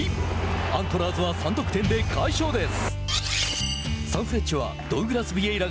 アントラーズは３得点で快勝です。